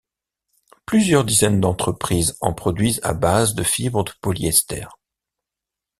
Plusieurs dizaines d'entreprise en produisent à base de fibres de polyester.